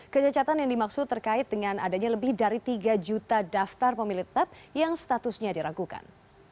kecacatan yang dimaksud terkait dengan adanya lebih dari tiga juta daftar pemilih tetap yang statusnya diragukan